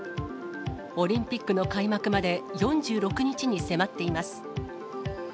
オリンピックの開幕まで４６日に迫っています。